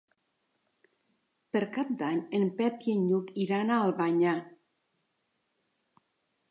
Per Cap d'Any en Pep i en Lluc iran a Albanyà.